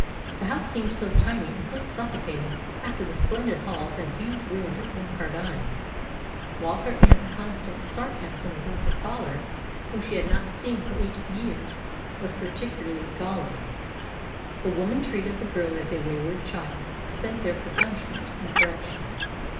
The house seemed so tiny and so suffocating after the splendid halls and huge rooms at Glencardine, while her aunt's constant sarcasm about her father whom she had not seen for eight years was particularly galling. The woman treated the girl as a wayward child sent there for punishment and correction.